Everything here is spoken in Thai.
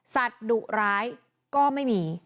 สัตว์ดุร้ายก็ไม่มี